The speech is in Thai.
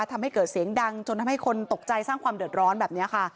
ทำให้เกิดเสียงดังจนทำให้คนตกใจสร้างความเดือดร้อนแบบนี้ค่ะ